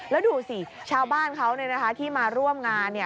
แล้วดูสิชาวบ้านเขาเนี่ยนะคะที่มาร่วมงานเนี่ย